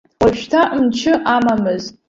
Уажәшьҭа мчы амамызт.